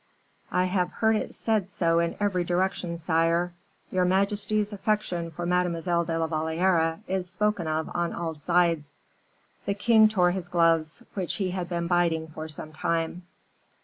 "I have heard it said so in every direction, sire. Your majesty's affection for Mademoiselle de la Valliere is spoken of on all sides." The king tore his gloves, which he had been biting for some time.